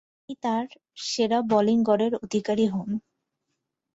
তিনি তার সেরা বোলিং গড়ের অধিকারী হন।